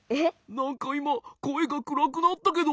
なんかいまこえがくらくなったけど。